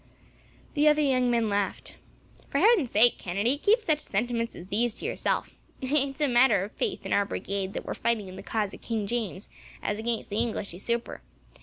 The other young men laughed. "For heaven's sake, Kennedy, keep such sentiments as these to yourself. It is a matter of faith, in our brigade, that we are fighting in the cause of King James, as against the English usurper.